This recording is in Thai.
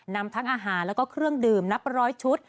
นำทั้งอาหารแล้วก็เครื่องดื่มนับร้อยชุด